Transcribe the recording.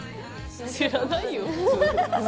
知らないよ普通。